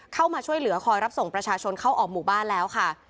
เข้ามาช่วยเหลือคอยรับส่งประชาชนเข้าออกหมู่บ้านแล้วค่ะ